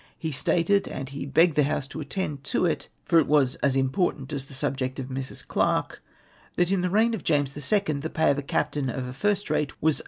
He stated, and he begged the House to attend to it, for it was as important as the subject N 4 184 THE REAL CAUSE OF THE EVIL. of ]\Irs. Clarke, that in the reigu of James the Second the pay of a captain of a first rate was 80